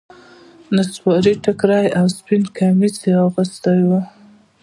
نصواري ټيکری او سپين کميس يې اغوستي وو.